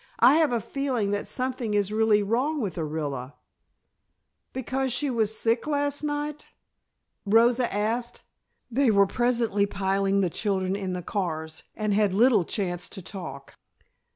"I have a feeling that something is really wrong with Orilla." "Because she was sick last night?" Rosa asked. They were presently piling the children in the cars and had little chance to talk.